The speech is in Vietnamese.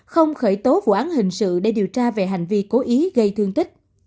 không khởi tố vụ án hình sự để điều tra về hành vi cố ý gây thương tích